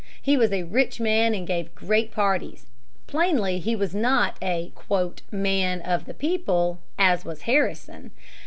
He was a rich man and gave great parties. Plainly he was not a "man of the people," as was Harrison.